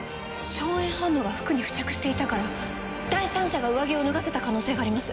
硝煙反応が服に付着していたから第三者が上着を脱がせた可能性があります。